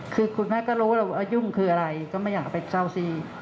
คือคุณแม่ก็รู้แล้วว่ายุ่งคืออะไรก็ไม่อยากเอาไปเศร้าซี